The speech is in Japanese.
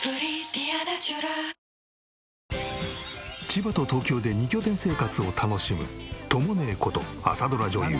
千葉と東京で２拠点生活を楽しむとも姉こと朝ドラ女優